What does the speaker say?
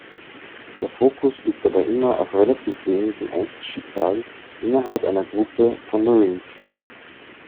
Der Fokus liegt dabei immer auf relativ wenigen Einzelschicksalen innerhalb einer Gruppe von Marines.